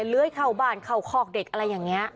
เลื้อยเข้าบ้านเข้าคอกเด็กอะไรอย่างนี้